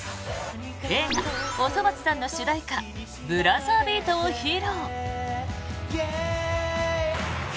映画「おそ松さん」の主題歌「ブラザービート」を披露。